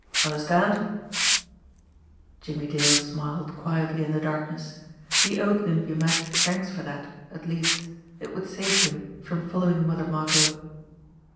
Understand ?" Jimmie Dale smiled quietly in the darkness. He owed Limpy Mack thanks for that, at least it would save him from following Mother Margot.